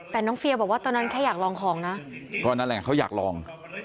แต่น้องเฟียบอกว่าตอนนั้นแค่อยากลองของนะก็นั่นแหละเขาอยากลอง